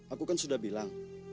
aku sudah bilang